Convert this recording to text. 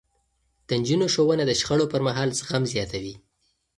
د نجونو ښوونه د شخړو پرمهال زغم زياتوي.